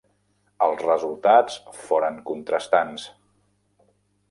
Els resultats foren contrastants.